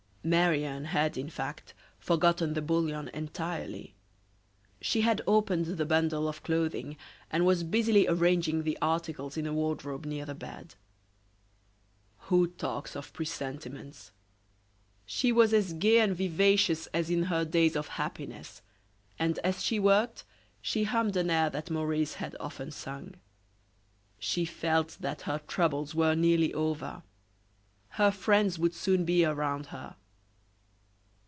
Marie Anne had, in fact, forgotten the bouillon entirely. She had opened the bundle of clothing, and was busily arranging the articles in a wardrobe near the bed. Who talks of presentiments. She was as gay and vivacious as in her days of happiness; and as she worked, she hummed an air that Maurice had often sung. She felt that her troubles were nearly over; her friends would soon be around her.